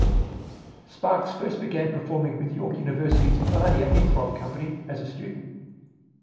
Sparks first began performing with York University's "Vanier Improv Company" as a student.